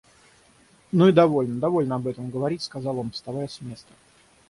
Ну и довольно, довольно об этом говорить, — сказал он, вставая с места.